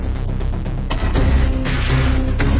ตอนนี้ก็ไม่มีอัศวินทรีย์